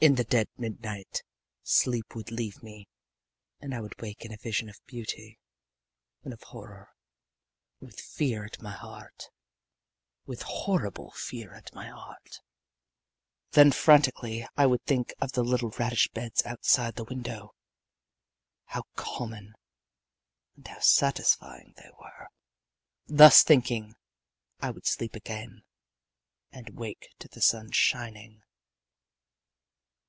In the dead midnight sleep would leave me and I would wake in a vision of beauty and of horror, with fear at my heart, with horrible fear at my heart. Then frantically I would think of the little radish beds outside the window how common and how satisfying they were. Thus thinking, I would sleep again and wake to the sun's shining.